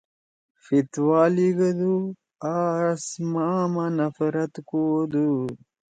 فتویٰ لیِگُودُود آں سماع ما نفرت کؤدُود۔